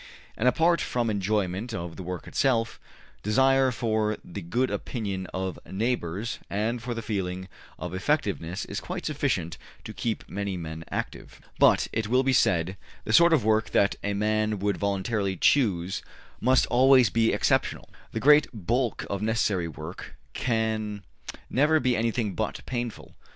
And apart from enjoyment of the work itself, desire for the good opinion of neighbors and for the feeling of effectiveness is quite sufficient to keep many men active. But, it will be said, the sort of work that a man would voluntarily choose must always be exceptional: the great bulk of necessary work can never be anything but painful.